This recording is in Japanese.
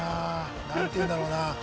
なんていうんだろうな。